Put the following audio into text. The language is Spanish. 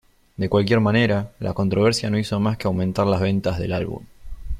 De cualquier manera, la controversia no hizo más que aumentar las ventas del álbum.